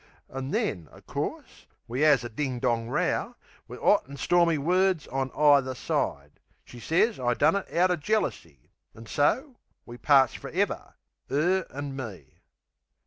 An' then, o' course, we 'as a ding dong row, Wiv 'ot an' stormy words on either side. She sez I done it outer jealousy, An' so, we parts fer ever 'er an' me.